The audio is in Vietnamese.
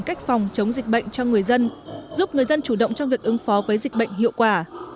cách phòng chống dịch bệnh cho người dân giúp người dân chủ động trong việc ứng phó với dịch bệnh hiệu quả